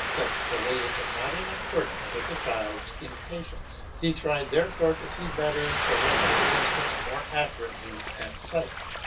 Such delays are not in accordance with a child's impatience; he tried therefore to see better and to reckon the distance more accurately at sight.